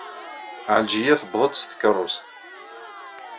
Ɛelǧiya tewweḍ-d s tkeṛṛust.